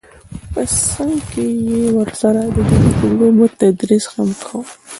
په څنګ کې یې ورسره د دیني علومو تدریس هم کاوه